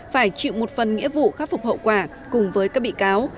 phải chịu một phần nghĩa vụ khắc phục hậu quả cùng với các bị cáo